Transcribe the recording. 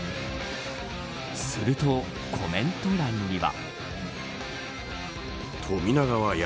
するとコメント欄には。